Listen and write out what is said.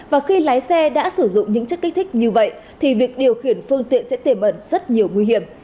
và khi lái xe đã sử dụng những chất kích thích như vậy thì việc điều khiển phương tiện sẽ tiềm ẩn rất nhiều nguy hiểm